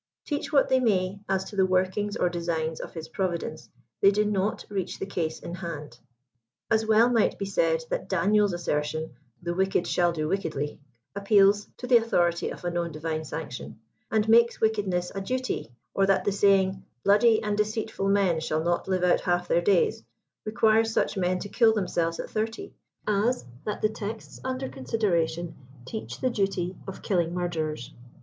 Teach what they may as to the workings or designs of His Provideilde, they do not reach the case in hand. As well might it be said that D&niel's as sertion, the witiked shall do wickedly," appeals *'to the au thority of a known diWiie sanction," and makes wickedttess a duty, or that the saying " bloody and deceitful men shall not live out half their days," requires such men to kill themselves at thirty, as that the texts under consideration teach the duty of killing murderers.